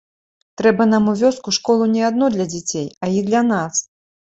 Трэба нам у вёску школу не адно для дзяцей, а і для нас.